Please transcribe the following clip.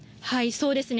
そうですね。